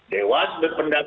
karena sudah itu bersalah